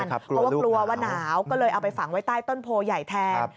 เพราะว่ากลัวว่าหนาวก็เลยเอาไปฝังไว้ใต้ต้นโพใหญ่แทน